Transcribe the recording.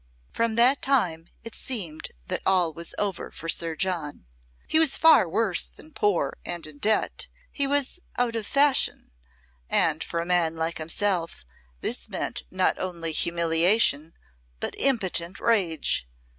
From that time it seemed that all was over for Sir John. He was far worse than poor and in debt, he was out of fashion, and for a man like himself this meant not only humiliation, but impotent rage.